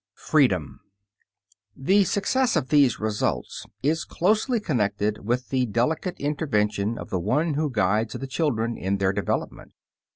FREEDOM The success of these results is closely connected with the delicate intervention of the one who guides the children in their development.